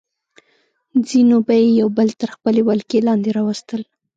ځینو به یې یو بل تر خپلې ولکې لاندې راوستل.